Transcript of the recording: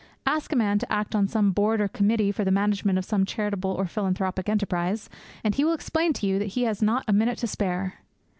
Ask a man to act on some board or committee for the management of some charitable or philanthropic enterprise, and he will explain to you that he has not a minute to spare.